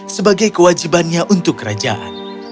sebagai kewajibannya untuk kerajaan